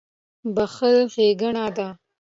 • بښل ښېګڼه ده.